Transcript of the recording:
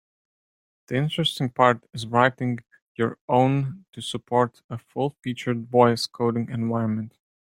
The interesting part is writing your own to support a full-featured voice coding environment.